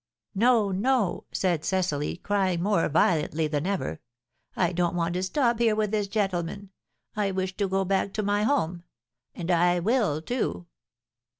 'No, no!' said Cecily, crying more violently than ever, 'I don't want to stop here with this gentleman; I wish to go back to my home; and I will, too!'"